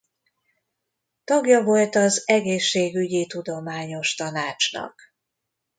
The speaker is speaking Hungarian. Tagja volt az Egészségügyi Tudományos Tanácsnak.